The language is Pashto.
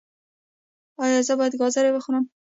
ایا زه باید ګازرې وخورم؟